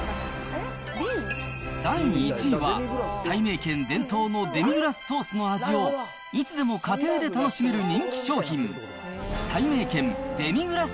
第１位は、たいめいけん伝統のデミグラスソースの味を、いつでも家庭で楽しめる人気商品、たいめいけんデミグラス